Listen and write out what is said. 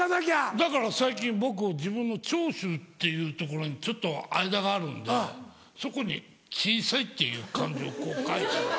だから最近僕自分の「長州」っていうところにちょっと間があるんでそこに「小さい」っていう漢字をこう書いてるんです。